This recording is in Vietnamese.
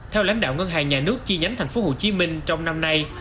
theo lãnh đạo ngân hàng nhà nước chi nhánh tp hcm trong năm nay